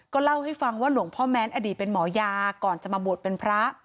เล่าให้ฟังว่าหลวงพ่อแม้นอดีตเป็นหมอยาก่อนจะมาบวชเป็นพระ